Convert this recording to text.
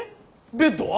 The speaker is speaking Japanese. ベッドは？